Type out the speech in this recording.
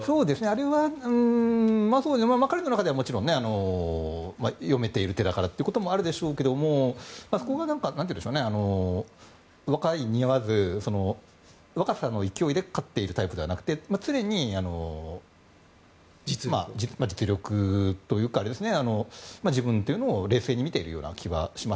あれは彼の中ではもちろん読めている手だからということもあるでしょうけどそこが、若さの勢いで勝っているタイプではなくて常に実力というか自分というのを冷静に見てるような気がします。